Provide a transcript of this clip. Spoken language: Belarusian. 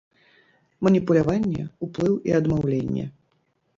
Маніпуляванне, уплыў і адмаўленне.